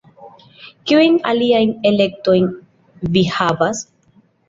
Kiujn aliajn elektojn vi havas?